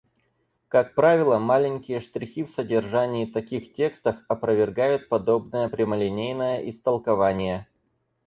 Как правило, маленькие штрихи в содержании таких текстов опровергают подобное прямолинейное истолкование.